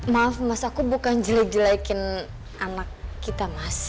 maaf mas aku bukan jelek jelekin anak kita mas